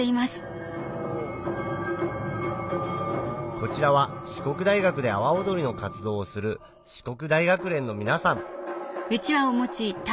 こちらは四国大学で阿波おどりの活動をする四国大学連の皆さん